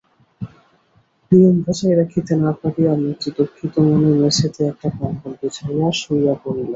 নিয়ম বজায় রাখিতে না পারিয়া মতি দুঃখিত মনে মেঝেতে একটা কম্বল বিছাইয়া শুইয়া পড়িল।